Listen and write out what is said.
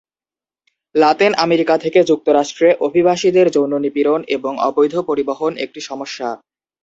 Latin America থেকে যুক্তরাষ্ট্রে অভিবাসীদের যৌন নিপীড়ন এবং অবৈধ পরিবহন একটি সমস্যা।